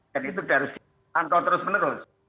jadi itu harus ditantang terus menerus